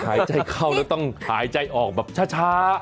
หายใจเข้าแล้วต้องหายใจออกแบบช้า